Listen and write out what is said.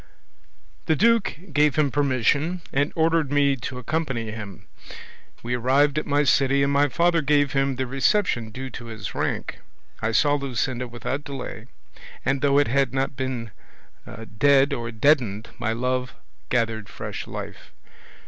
"The duke gave him permission, and ordered me to accompany him; we arrived at my city, and my father gave him the reception due to his rank; I saw Luscinda without delay, and, though it had not been dead or deadened, my love gathered fresh life.